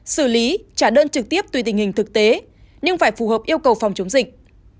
xử lý trả đơn trực tiếp tùy tình hình thực tế nhưng phải phù hợp yêu cầu phòng chống dịch